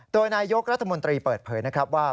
โดยนายกรัฐมนตรีเปิดเผยนะครับว่า